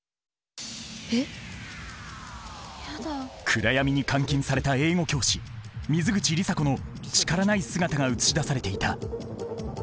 暗闇に監禁された英語教師水口里紗子の力ない姿が映し出されていた。